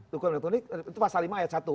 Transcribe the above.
dukungan elektronik itu pasal lima ayat satu